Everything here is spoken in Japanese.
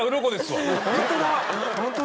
本当だ！